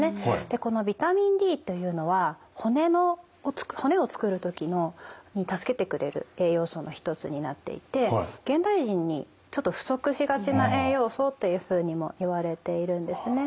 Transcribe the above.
でこのビタミンＤというのは骨を作る時に助けてくれる栄養素の一つになっていて現代人にちょっと不足しがちな栄養素っていうふうにもいわれているんですね。